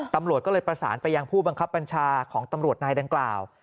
ตำรวจก็เลยประสานไปยังผู้บังคับบัญชาของตำรวจนายดังกล่าว